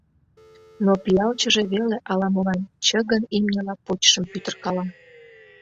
Но Пиалчыже веле ала-молан чыгын имньыла почшым пӱтыркала.